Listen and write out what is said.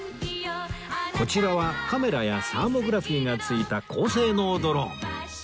こちらはカメラやサーモグラフィーが付いた高性能ドローン